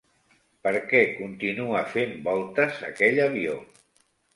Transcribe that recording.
Per què continua fent voltes aquell avió?